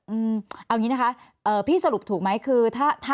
เอาอย่างนี้นะคะพี่สรุปถูกไหมคือถ้า